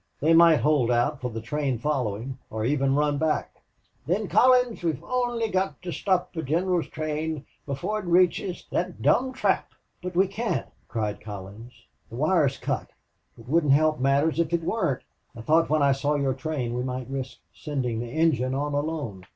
They might hold out for the train following, or even run back." "Thin, Collins, we've only got to sthop the gineral's train before it reaches thot dom' trap." "But we can't!" cried Collins. "The wire is cut. It wouldn't help matters if it weren't. I thought when I saw your train we might risk sending the engine on alone.